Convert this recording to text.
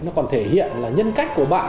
nó còn thể hiện là nhân cách của bạn